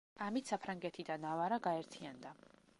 ამით საფრანგეთი და ნავარა გაერთიანდა.